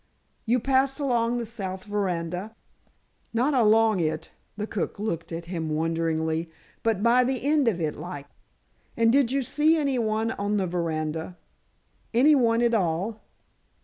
"You passed along the south veranda?" "Not along it," the cook looked at him wonderingly—"but by the end of it, like." "And did you see any one on the veranda? Any one at all?"